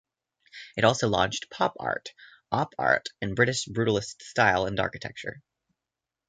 It also launched Pop art, Op art, and British Brutalist art and architecture.